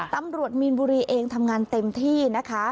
ตำรวจมีนบุรีเองทำงานเต็มที่นะคะ